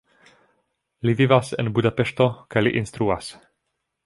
Li vivas en Budapeŝto kaj li instruas.